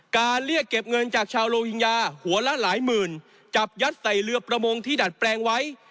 เรียกเก็บเงินจากชาวโลหิงญาหัวละหลายหมื่นจับยัดใส่เรือประมงที่ดัดแปลงไว้